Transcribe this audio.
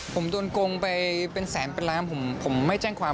ผมโดนโกงไปเป็นแสนเป็นล้านผมไม่แจ้งความ